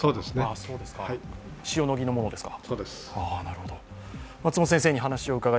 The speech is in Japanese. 塩野義のものですか。